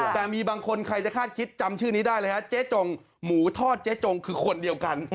แต่มีบางคนใครจะคาดคิดจำชื่อนี้ได้เลยฮะเจ๊จงหมูทอดเจ๊จงคือคนเดียวกัน